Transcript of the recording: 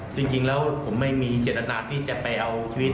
จริงแล้วผมไม่มีเจตนาที่จะไปเอาชีวิต